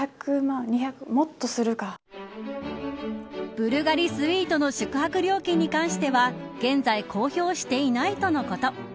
ブルガリスイートの宿泊料金に関しては現在公表していないとのこと。